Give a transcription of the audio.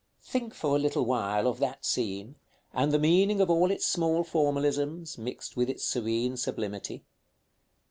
§ XI. Think for a little while of that scene, and the meaning of all its small formalisms, mixed with its serene sublimity.